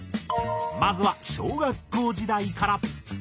まずは小学校時代から。